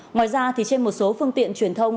ngoài ra trên một số phương tiện truyền thông